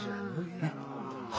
ねっ。